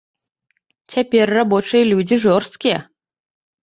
Цяпер рабочыя людзі жорсткія.